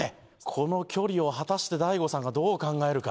この距離を果たして大悟さんがどう考えるか。